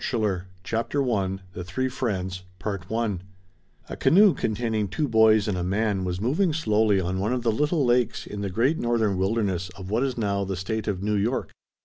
THE GREAT TEST CHAPTER I THE THREE FRIENDS A canoe containing two boys and a man was moving slowly on one of the little lakes in the great northern wilderness of what is now the State of New York.